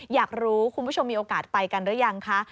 อยากรู้คุณผู้ชมมีโอกาสไปกันหรือยังคะ